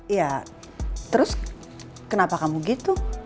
iya terus kenapa kamu gitu